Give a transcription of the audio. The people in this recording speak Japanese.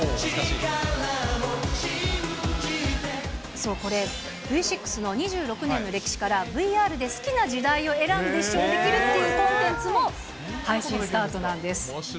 そう、これ、Ｖ６の２６年の歴史から、ＶＲで好きな時代を選んで視聴できるというコンテンツも配信スタートなんです。